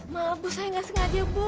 maaf bu saya nggak sengaja bu